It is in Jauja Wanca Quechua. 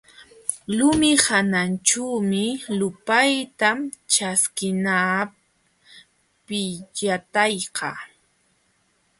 Lumi hananćhuumi lupayta ćhaskinanapq pillatayka.